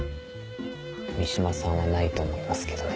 三島さんはないと思いますけどね。